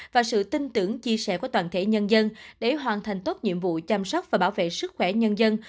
và sự tin tưởng chia sẻ của toàn thể nhân dân để hoàn thành tốt nhiệm vụ chăm sóc và bảo vệ sức khỏe nhân dân